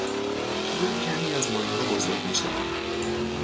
تعداد کمی از ماهیها بزرگ میشوند.